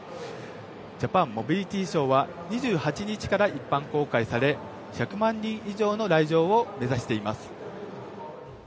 ジャパンモビリティショーは２８日から一般公開され１００万人以上の来場を目指しています。